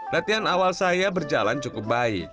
latihan awal saya berjalan cukup baik